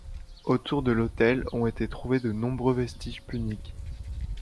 Autour de l'autel ont été trouvés de nombreux vestiges puniques.